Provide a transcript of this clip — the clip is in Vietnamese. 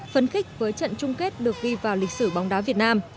phấn khích với trận chung kết được đi vào lịch sử bóng đá việt nam